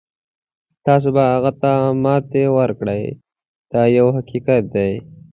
تاسو به هغه ته ماتې ورکړئ دا یو حقیقت دی.